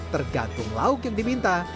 tergantung lauk yang diminta